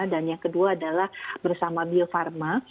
dan yang kedua adalah bersama bio farma